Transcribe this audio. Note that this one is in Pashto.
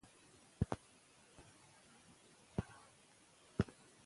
د خیبر دره د مهاراجا په واک کي ده.